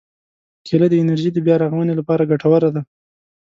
کېله د انرژي د بیا رغونې لپاره ګټوره ده.